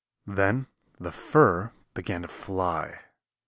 Then the fur began to fly.